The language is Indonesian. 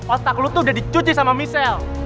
otak lo tuh udah dicuci sama michelle